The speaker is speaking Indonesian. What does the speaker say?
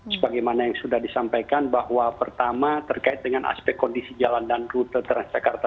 sebagaimana yang sudah disampaikan bahwa pertama terkait dengan aspek kondisi jalan dan rute transjakarta